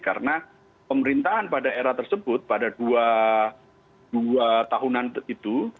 karena pemerintahan pada era tersebut pada dua tahunan itu